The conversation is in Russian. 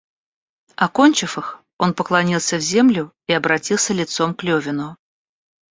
Окончив их, он поклонился в землю и обратился лицом к Левину.